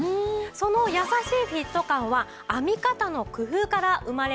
その優しいフィット感は編み方の工夫から生まれているんです。